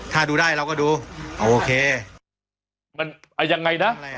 ถ้าดูได้เราก็ดูโอเคมันเอายังไงนะ